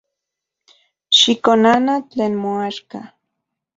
Xikonana tlen moaxka.